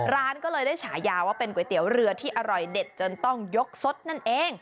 ร้านก็เลยได้ฉายาว่าเป็นก๋วยเตี๋ยวเรือที่อร่อยเด็ดจนต้องยกสดนั่นเอง